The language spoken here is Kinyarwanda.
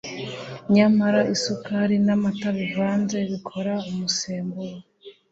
Nyamara isukari namata bivanze bikora umusemburo